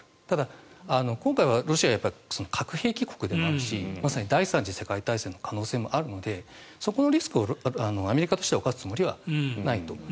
ただ、今回はロシアが核兵器国でもあるしまさに第３次世界大戦の可能性もあるのでそこのリスクをアメリカとしては犯すつもりはないと。